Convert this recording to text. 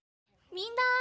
みんな！